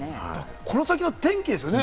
この先の天気ですよね。